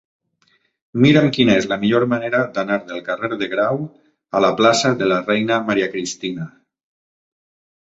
Mira'm quina és la millor manera d'anar del carrer de Grau a la plaça de la Reina Maria Cristina.